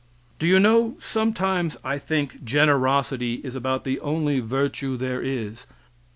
Do you know sometimes I think generosity is about the only virtue there is.